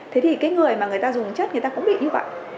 thế thì cái người mà người ta dùng chất người ta cũng bị như vậy